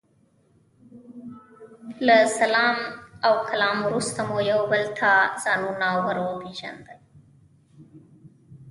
له سلام او کلام وروسته مو یو بل ته ځانونه ور وپېژندل.